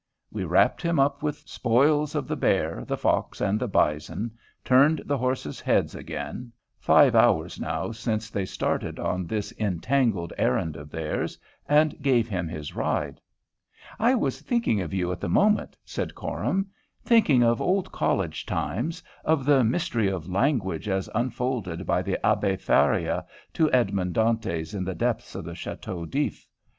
We wrapped him up with spoils of the bear, the fox, and the bison, turned the horses' heads again, five hours now since they started on this entangled errand of theirs, and gave him his ride. "I was thinking of you at the moment," said Coram, "thinking of old college times, of the mystery of language as unfolded by the Abbé Faria to Edmond Dantes in the depths of the Chateau d'If.